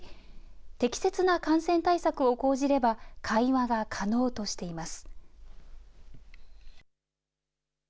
適切な感染対策を講じれば、会話が可能としています。